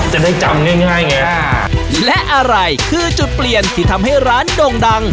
จะได้จำง่ายง่ายไงอ่าและอะไรคือจุดเปลี่ยนที่ทำให้ร้านโด่งดัง